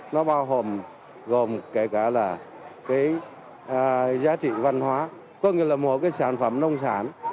nó bao gồm gồm kể cả là cái giá trị văn hóa có nghĩa là một cái sản phẩm nông sản